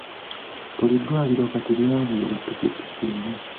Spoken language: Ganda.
Buli ddwaliro kati lyaweebwa ppikippiki emu.